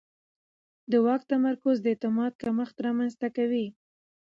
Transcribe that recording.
د واک تمرکز د اعتماد کمښت رامنځته کوي